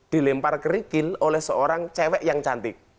dilempar kerikil oleh seorang cewek yang cantik